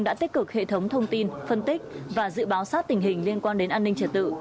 đã tích cực hệ thống thông tin phân tích và dự báo sát tình hình liên quan đến an ninh trật tự